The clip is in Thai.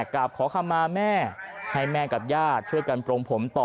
กราบขอคำมาแม่ให้แม่กับญาติช่วยกันปรงผมต่อ